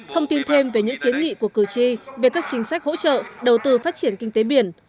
thông tin thêm về những kiến nghị của cử tri về các chính sách hỗ trợ đầu tư phát triển kinh tế biển